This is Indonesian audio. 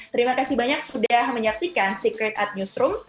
terima kasih banyak sudah menyaksikan secret at newsroom